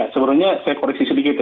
sebenarnya saya koreksi sedikit ya